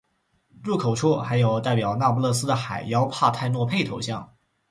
入口处还有代表那不勒斯的海妖帕泰诺佩头像。